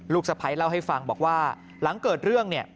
ลูกสะพ้ายเล่าให้ฟังบอกว่าหลังเกิดเรื่อง